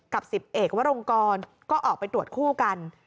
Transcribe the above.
๑๐เอกวรงกรก็ออกไปตรวจคู่กัน